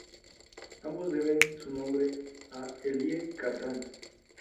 Ambos deben su nombre a Élie Cartan.